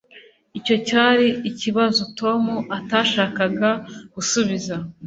Icyo cyari ikibazo Tom atashakaga gusubiza.